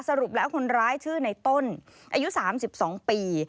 สรุปแล้วคนร้ายชื่อในต้นอายุ๓๒ปี